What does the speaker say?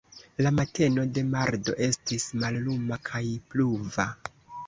La mateno de mardo estis malluma kaj pluva.